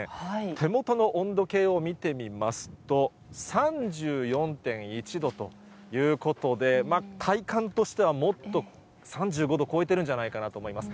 手元の温度計を見てみますと、３４．１度ということで、体感としてはもっと、３５度超えてるんじゃないかなと思います。